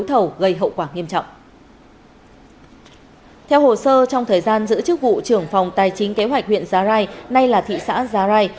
theo hồ sơ trong thời gian giữ chức vụ trưởng phòng tài chính kế hoạch huyện giá rai nay là thị xã giá rai